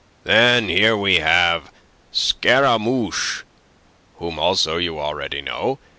"Then here we have Scaramouche, whom also you already know.